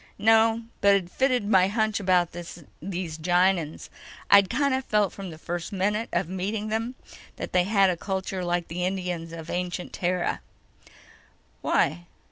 "No. But it fitted my hunch about these Gienahns. I'd kind of felt from the first minute of meeting them that they had a culture like the Indians of ancient Terra." "Why?"